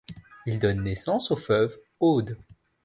Il donne naissance au fleuve Aude.